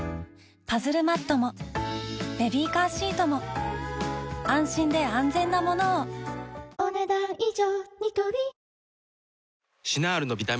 パズルマットもベビーカーシートも安心で安全なものをお、ねだん以上。